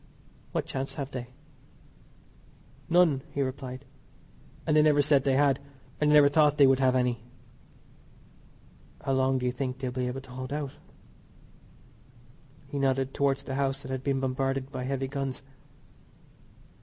"What chance have they?" "None," he replied, "and they never said they had, and they never thought they would have any." "How long do you think they'll be able to hold out?" He nodded towards the house that had been bombarded by heavy guns.